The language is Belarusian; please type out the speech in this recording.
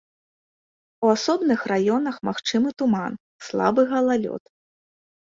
У асобных раёнах магчымы туман, слабы галалёд.